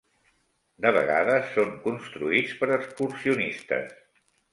De vegades són construïts per excursionistes.